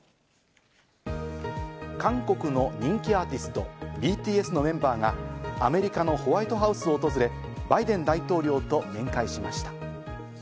韓国の人気アーティストＢＴＳのメンバーがアメリカのホワイトハウスを訪れ、バイデン大統領と面会しました。